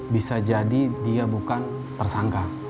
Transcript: bisa jadi dia bukan tersangka